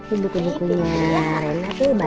ibu kunjungnya karena tuh banyak